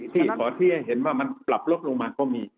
ที่หมอเทียเห็นว่ามันปรับลดลงมาก็มี